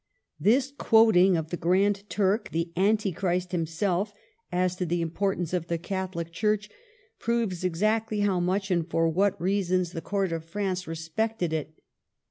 This quoting of the Grand Turk, the Antichrist himself, as to the importance of the Catholic Church, proves ex actly how much and for what reasons the Court 56 MARGARET OF ANGOULEME. of France respected it.